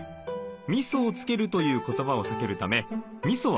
「みそをつける」という言葉を避けるためみそは使いません。